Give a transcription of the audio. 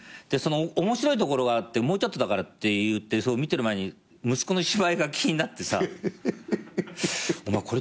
その面白いところがあってもうちょっとだからっていって見てる前に息子の芝居が気になってさお前